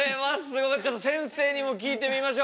ちょっとせんせいにも聞いてみましょう。